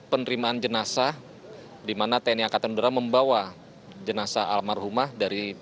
penerimaan jenazah di mana tni angkatan udara membawa jenazah almarhumah dari